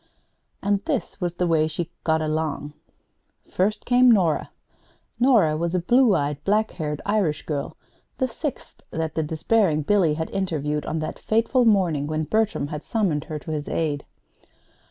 And this was the way she "got along." First came Nora. Nora was a blue eyed, black haired Irish girl, the sixth that the despairing Billy had interviewed on that fateful morning when Bertram had summoned her to his aid.